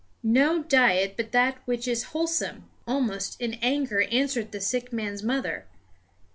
"No diet but that which is wholesome!" almost in anger answered the sick man's mother.